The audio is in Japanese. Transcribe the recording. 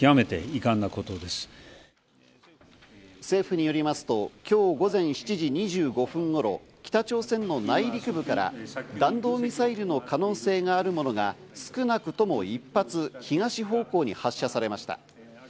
政府によりますと、今日午前７時２５分頃、北朝鮮の内陸部から弾道ミサイルの可能性があるものが少なくとも１発、東方向に発射されました。